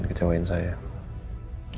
tapi kalau itu bukan hari yang nanti